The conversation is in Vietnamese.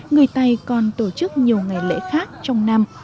người tây còn tổ chức nhiều ngày lễ khác trong năm